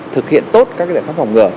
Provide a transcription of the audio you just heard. thực hiện tốt các giải pháp phòng ngừa